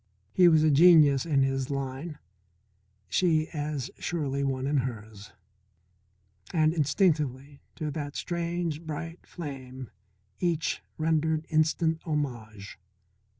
He was a genius in his line, she as surely one in hers. And, instinctively, to that strange, bright flame each rendered instant homage.